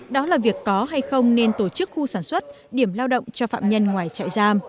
đó là việc có hay không nên tổ chức khu sản xuất điểm lao động cho phạm nhân ngoài trại giam